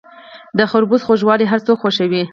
د خربوزو خوږوالی هر څوک خوښوي.